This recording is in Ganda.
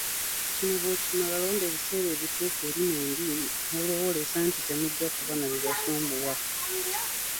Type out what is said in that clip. Kino bw’okimala londa ebiseera ebituufu eri mwembi, w’olowooleza nti temujja kuba na bibasumbuwa.